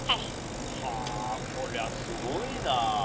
こりゃすごいな。